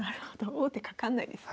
王手かかんないですね。